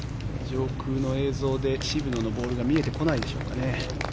上空の映像で渋野のボールが見えてこないでしょうかね。